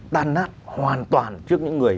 tan nát hoàn toàn trước những người